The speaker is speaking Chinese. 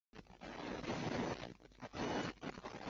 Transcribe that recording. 始于中国南北朝。